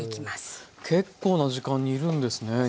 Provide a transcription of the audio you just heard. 結構な時間煮るんですね。